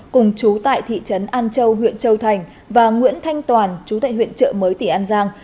cùng chú tại thị trấn an châu huyện châu thành và nguyễn thanh toàn chú tại huyện trợ mới tỉ an giang